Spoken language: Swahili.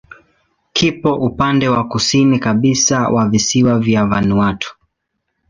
Kiko upande wa kusini kabisa wa visiwa vya Vanuatu.